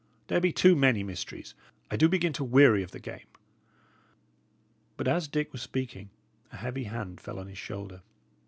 There be too many mysteries; I do begin to weary of the game!" But as Dick was speaking, a heavy hand fell on his shoulder.